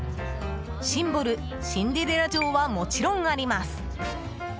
シンボル、シンデレラ城はもちろんあります。